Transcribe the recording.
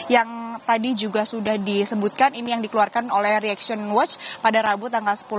yang tadi juga sudah disebutkan ini yang dikeluarkan oleh reaction watch pada rabu tanggal sepuluh